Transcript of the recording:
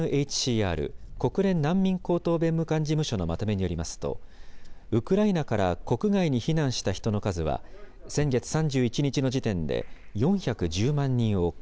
ＵＮＨＣＲ・国連難民高等弁務官事務所のまとめによりますと、ウクライナから国外に避難した人の数は、先月３１日の時点で４１０